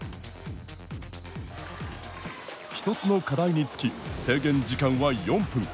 １つの課題につき制限時間は４分。